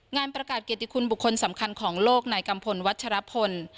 งานประกาศเกติคุณบุคคลสำคัญของโลกนายกัมพลวัชรพล